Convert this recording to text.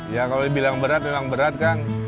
ya kalau dibilang berat memang berat kan